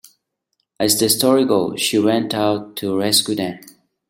As the story goes, she went out to rescue them.